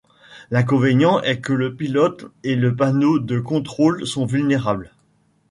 L'inconvénient est que le pilote et le panneau de contrôle sont vulnérables.